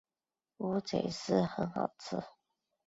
乌贼丝很好吃